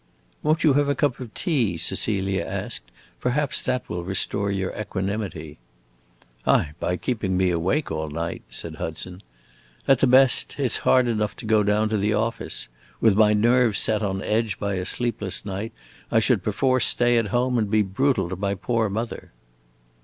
"Won't you have a cup of tea?" Cecilia asked. "Perhaps that will restore your equanimity." "Aye, by keeping me awake all night!" said Hudson. "At the best, it 's hard enough to go down to the office. With my nerves set on edge by a sleepless night, I should perforce stay at home and be brutal to my poor mother."